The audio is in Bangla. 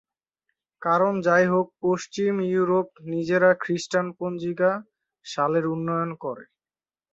কারণ যাই হোক, পশ্চিম ইউরোপ নিজেরা খ্রিস্টাব্দ পঞ্জিকা সালের উন্নয়ন করে।